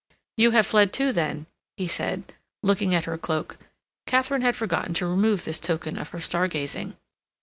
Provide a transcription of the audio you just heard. "You have fled, too, then?" he said, looking at her cloak. Katharine had forgotten to remove this token of her star gazing.